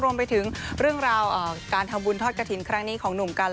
รวมไปถึงเรื่องราวการทำบุญทอดกระถิ่นครั้งนี้ของหนุ่มกัน